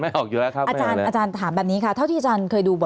อาจารย์ถามแบบนี้ค่ะเท่าที่อาจารย์เคยดู